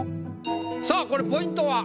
さあこれポイントは？